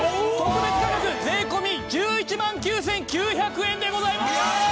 特別価格税込１１万９９００円でございます！